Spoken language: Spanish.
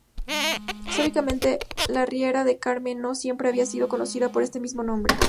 Históricamente, la riera de Carme no siempre había sido conocida por este mismo nombre.